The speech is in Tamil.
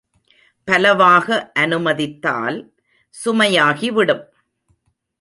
பலவாக அனுமதித்தால் சுமையாகிவிடும்.